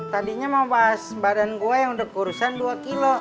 tadinya mau bahas badan gue yang udah kurusan dua kilo